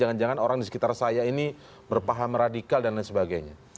jangan jangan orang di sekitar saya ini berpaham radikal dan lain sebagainya